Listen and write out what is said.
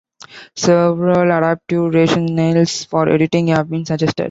Several adaptive rationales for editing have been suggested.